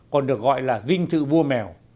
còn được gọi là vinh thự vua mèo